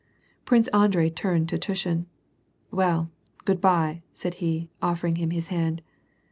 Prince Andrei turned to Tushin. " Well, good by," said he, offering him his hand.